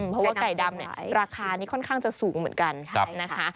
เพราะว่าไก่ดำเนี่ยราคานี้ค่อนข้างจะสูงเหมือนกันนะคะ